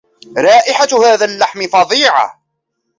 رائحة هذا اللحم فظيعة.